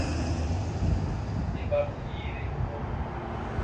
Yè ba nùn yiire kpuro.